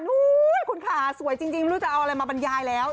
คุณค่ะสวยจริงไม่รู้จะเอาอะไรมาบรรยายแล้ว